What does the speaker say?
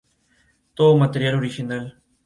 Todo material original.